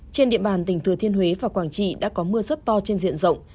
trên địa bàn tỉnh thừa thiên huế và quảng trị đã có mưa rất to trên diện rộng